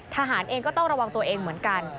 ทหารเองก็ต้องระวังตัวเองเหมือนกัน